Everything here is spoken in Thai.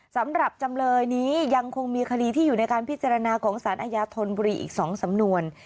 สำหรับจำเลยนี้ยังคงมีคดีที่อยู่ในการพิจารณาของสารอาญาธนบุรีอีก๒สำนวน